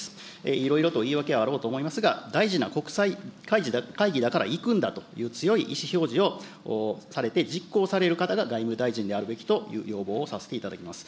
いろいろと言い訳はあろうと思いますが、大事な国際会議だから行くんだという強い意思表示をされて、実行される方が外務大臣であるべきという要望をさせていただきます。